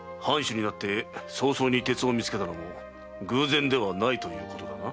藩主になって早々に鉄を見つけたのも偶然ではないのだな。